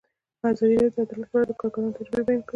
ازادي راډیو د عدالت په اړه د کارګرانو تجربې بیان کړي.